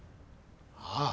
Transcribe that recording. ああ。